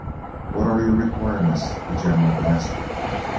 "What are your requirements?" the general asked.